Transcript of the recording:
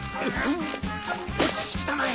落ち着きたまえ